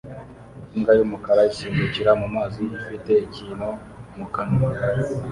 Imbwa y'umukara isimbukira mu mazi ifite ikintu mu kanwa